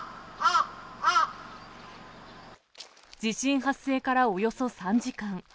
地震発生からおよそ３時間。